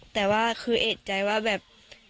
แต่ว่าคือเอกใจว่าแบบ